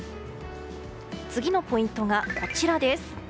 次のポイントがこちらです。